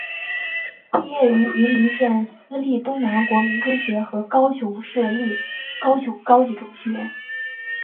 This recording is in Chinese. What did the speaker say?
毕业于云林县私立东南国民中学和高雄市立高雄高级中学。